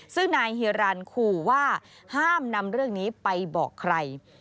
ซึ่งนายเฮียรันขู่ว่าห้ามนำเรื่องนี้ไปบอกใคร